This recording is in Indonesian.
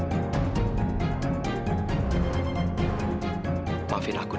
saya banyak rindu yang kamu lakukan